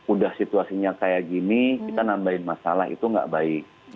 udah situasinya kayak gini kita nambahin masalah itu nggak baik